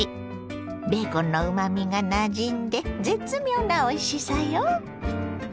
ベーコンのうまみがなじんで絶妙なおいしさよ。